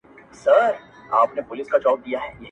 نن مي واخله پر سر یو مي سه تر سونډو,